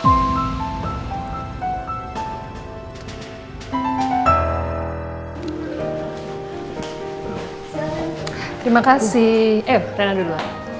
terima kasih eh reina dulu